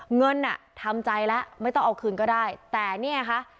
เงินอ่ะทำใจแล้วไม่ต้องเอาคืนก็ได้แต่เนี่ยค่ะ